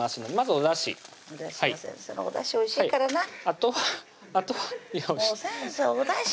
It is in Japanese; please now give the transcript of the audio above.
おだしおいしいからなあとは先生